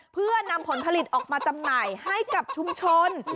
เพื่อนำผลผลิตออกมาจำหน่ายให้กับชุมชน